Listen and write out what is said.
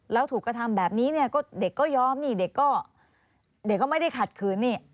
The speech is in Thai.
แล้วถูกกระทำแบบนี้เนี่ยก็เด็กก็ยอมนี่เด็กก็เด็กก็ไม่ได้ขัดขืนนี่